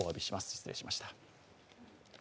失礼しました。